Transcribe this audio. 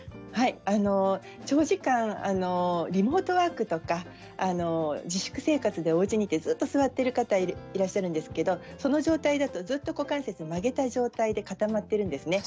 長時間、リモートワークとか自粛生活でおうちでずっと座っている方がいらっしゃるんですけれどその状態ですと股関節が曲げた状態で固まっています。